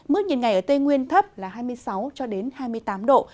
mức nhiệt ngày ở tây nguyên thấp là hai mươi sáu hai mươi tám độ